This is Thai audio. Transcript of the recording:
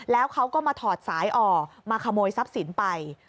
แล้วเขาก็มาถอดสายออกมาขโมยทรัพย์สินไป